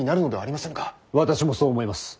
私もそう思います。